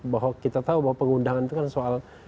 bahwa kita tahu bahwa pengundangan itu kan soal